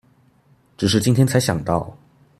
只是今天才想到